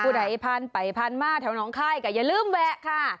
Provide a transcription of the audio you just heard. พูดไทยพันไปพันมาแถวน้องคายก็อย่าลืมแวะค่ะ